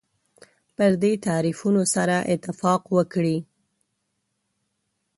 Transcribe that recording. پر دې تعریفونو سره اتفاق وکړي.